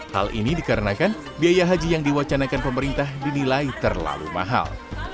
hal ini dikarenakan biaya haji yang diwacanakan pemerintah dinilai terlalu mahal